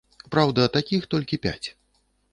Праўда, такіх толькі пяць.